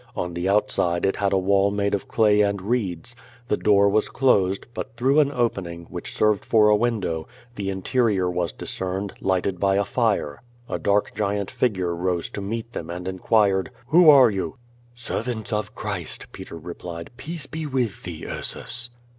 On the outside it had a wall made of clay and reeds. The door was closed, but through an opening, which served for a window, the interior Avas discerned, lighted by a fire. A dark giant figure rose to meet them, and inquired: "Who are you?" "SerA'ants of Christ," Peter replied. "Peace be with thee, Ursus."